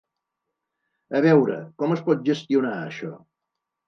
A veure... com es pot gestionar això?